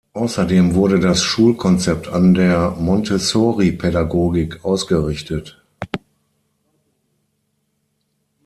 Außerdem wurde das Schulkonzept an der Montessoripädagogik ausgerichtet.